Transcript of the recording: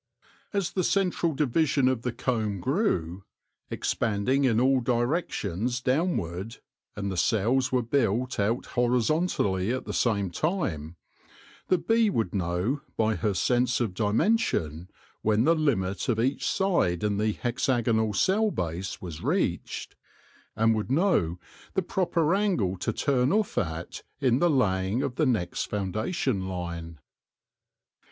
As the central division of the comb grew, expanding in all directions downward, and the cells were built out horizontally at the same time, the bee would know by her sense of dimension when the limit of each side in the hexagonal cell base was reached, and would know the proper angle to turn off at in the laying of the next foundation line.